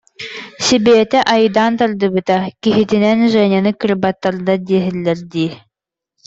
Сибиэтэ айдаан тардыбыта, киһитинэн Женяны кырбаттарда дэһэллэр дии